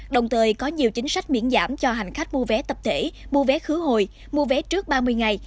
đồng thời có nhiều chính sách miễn giảm cho hành khách mua vé tập thể mua vé khứ hồi mua vé trước ba mươi ngày